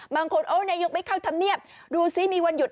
บางคนนายกรัฐมนตรีไม่เข้าธรรมเนียบดูซิมีวันหยุด